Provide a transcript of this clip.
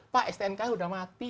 pak stnk sudah mati